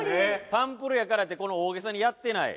「サンプルやからって大げさにやってない」